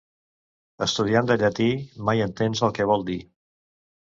Estudiant de llatí, mai entens el que vol dir.